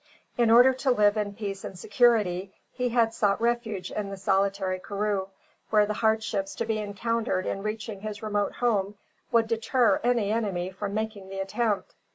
In order to live in peace and security, he had sought refuge in the solitary karroo, where the hardships to be encountered in reaching his remote home would deter any enemy from making the attempt.